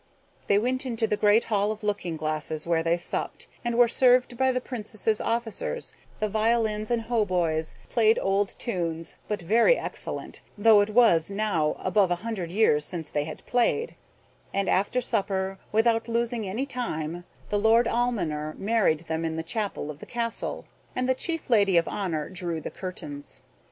They went into the great hall of looking glasses, where they supped, and were served by the Princess's officers, the violins and hautboys played old tunes, but very excellent, though it was now above a hundred years since they had played; and after supper, without losing any time, the lord almoner married them in the chapel of the castle, and the chief lady of honor drew the curtains.